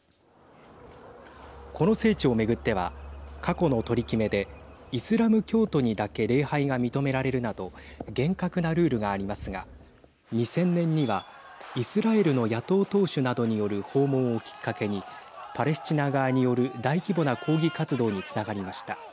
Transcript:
この聖地を巡っては過去の取り決めでイスラム教徒にだけ礼拝が認められるなど厳格なルールがありますが２０００年にはイスラエルの野党党首などによる訪問をきっかけにパレスチナ側による大規模な抗議活動につながりました。